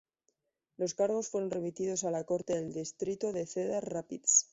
Los cargos fueron remitidos a la Corte de Distrito de Cedar Rapids.